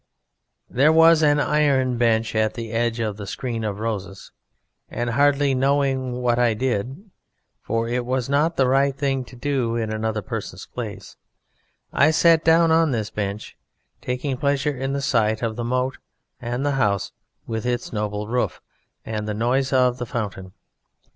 "There was an iron bench at the edge of the screen of roses, and hardly knowing what I did, for it was not the right thing to do in another person's place I sat down on this bench, taking pleasure in the sight of the moat and the house with its noble roof, and the noise of the fountain.